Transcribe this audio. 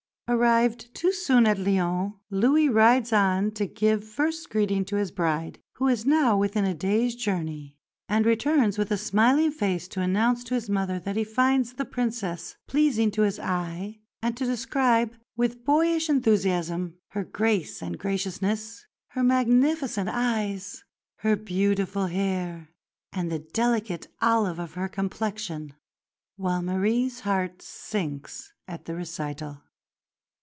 Arrived too soon at Lyons, Louis rides on to give first greeting to his bride, who is now within a day's journey; and returns with a smiling face to announce to his mother that he finds the Princess pleasing to his eye, and to describe, with boyish enthusiasm, her grace and graciousness, her magnificent eyes, her beautiful hair, and the delicate olive of her complexion, while Marie's heart sinks at the recital.